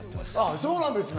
そうなんですね。